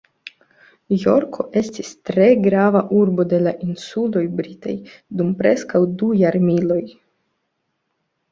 Jorko estis tre grava urbo de la insuloj britaj dum preskaŭ du jarmiloj.